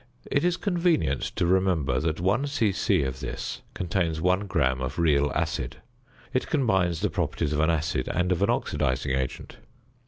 It is convenient to remember that one c.c. of this contains 1 gram of real acid. It combines the properties of an acid and of an oxidising agent.